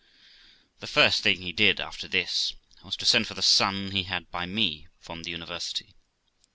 The first thing he did after this was to send for the son he had by me from the university.